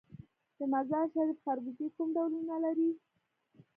د مزار شریف خربوزې کوم ډولونه لري؟